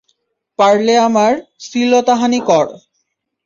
পারলে আমার শ্লীলতাহানি কর।